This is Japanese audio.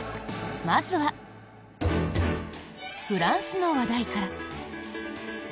まずは、フランスの話題から。